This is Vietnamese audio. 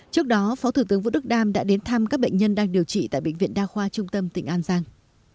trước đó phó thủ tướng vũ đức đam đã đến thăm các bệnh nhân đang điều trị tại bệnh viện đa khoa trung tâm tỉnh an giang